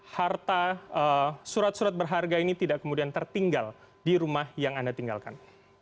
harta surat surat berharga ini tidak kemudian tertinggal di rumah yang anda tinggalkan